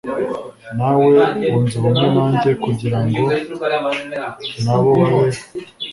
nawe wunze ubumwe nanjye kugira ngo na bo babe